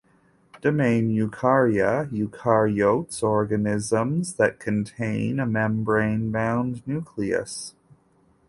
Domain Eukarya - eukaryotes, organisms that contain a membrane-bound nucleus.